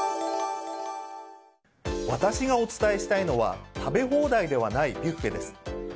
私がお伝えしたいのは食べ放題ではないビュッフェです。